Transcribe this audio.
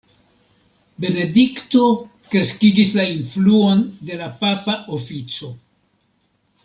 Benedikto kreskigis la influon de la papa ofico.